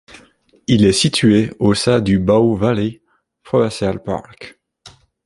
Il est situé au sein du Bow Valley Provincial Park.